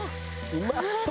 「うまそう」